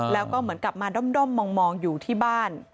แล้วก็เหมือนกลับมาด้อมมองอยู่ที่บ้าน